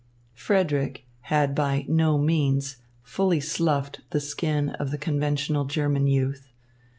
Frederick had by no means fully sloughed the skin of the conventional German youth.